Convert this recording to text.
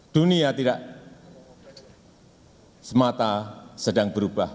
dunia tidak semata sedang berubah